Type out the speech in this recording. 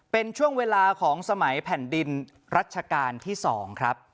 เป็นช่วงเวลาของสมัยแผ่นดินรัชกาลที่๒ครับ